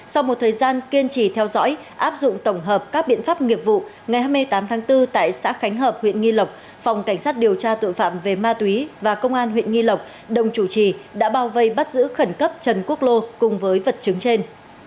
sau một thời gian kiên trì theo dõi áp dụng tổng hợp các biện pháp nghiệp vụ ngày hai mươi tám tháng bốn tại xã khánh hợp huyện nghi lộc phòng cảnh sát điều tra tội phạm về ma túy và công an huyện nghi lộc đồng chủ trì đã bao vây bắt giữ khẩn cấp trần quốc lô cùng với vật chứng trên